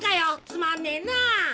つまんねえな！